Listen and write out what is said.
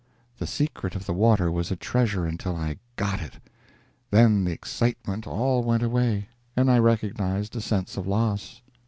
The secret of the water was a treasure until I _got _it; then the excitement all went away, and I recognized a sense of loss.